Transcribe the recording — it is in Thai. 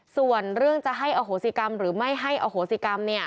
ส่วนเรื่องจะให้อโหสิกรรมหรือไม่ให้อโหสิกรรม